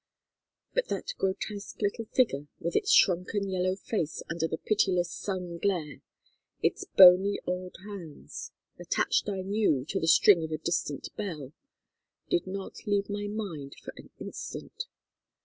"But that grotesque little figure with its shrunken yellow face under the pitiless sun glare, its bony old hands, attached I knew, to the string of a distant bell, did not leave my mind for an instant.